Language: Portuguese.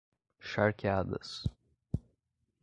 Charqueadas